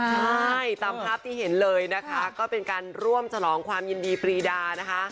ใช่ตามภาพที่เห็นเลยนะคะก็เป็นการร่วมฉลองความยินดีปรีดานะคะ